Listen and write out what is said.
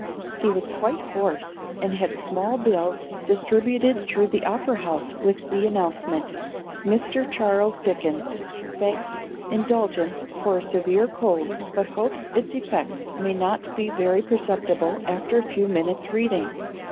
He was quite hoarse and had small bills distributed through the Opera House with the announcement: MR. CHARLES DICKENS Begs indulgence for a Severe Cold, but hopes its effects may not be very perceptible after a few minutes' Reading.